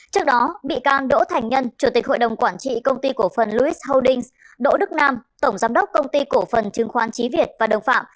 trước đó bị can đỗ thành nhân chủ tịch hội đồng quản trị công ty cổ phần louis holdings đỗ đức nam tổng giám đốc công ty cổ phần chứng khoán trí việt và đồng phạm